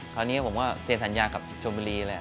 ครานนี้ผมก็เจนธรรยากับชมบรี